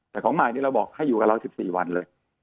แต่ของใหม่นี้เราบอกให้อยู่กับเรา๑๔วันเลย